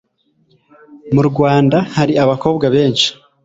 Mu Rwanda hari abakobwa benshi